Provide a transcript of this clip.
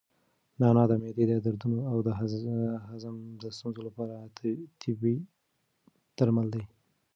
نعناع د معدې د دردونو او د هضم د ستونزو لپاره طبیعي درمل دي.